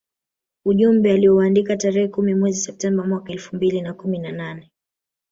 Ujumbe aliouandika tarehe kumi mwezi Septemba mwaka elfu mbili kumi na nane